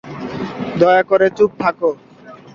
দয়া করে চুপ করে থাক।